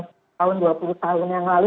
setahun dua puluh tahun yang lalu